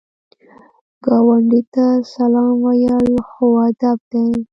ګاونډي ته سلام ویل ښو ادب دی